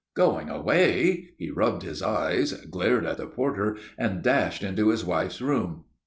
"Going away!" He rubbed his eyes, glared at the porter, and dashed into his wife's room.